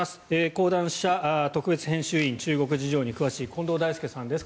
講談社特別編集委員中国事情に詳しい近藤大介さんです。